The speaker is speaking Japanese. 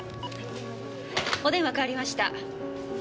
お電話代わりました。